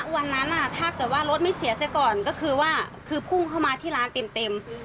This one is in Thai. วันนั้นถ้าเกิดว่ารถไม่เสียซะก่อนก็คือว่าพุ่งเข้ามาที่ร้านเต็ม